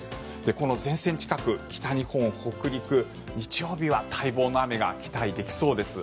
この前線近く北日本、北陸日曜日は待望の雨が期待できそうです。